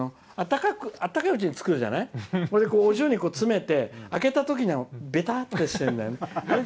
あったかいうちに作るじゃないお重に詰めて開けたときにべたーっとしてるんだよね。